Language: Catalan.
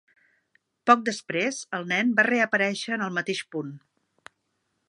Poc després, el nen va reaparèixer en el mateix punt.